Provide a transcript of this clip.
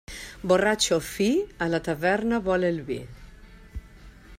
Borratxo fi, a la taverna vol el vi.